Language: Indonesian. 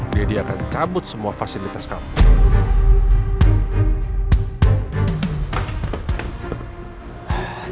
dia akan cabut semua fasilitas kamu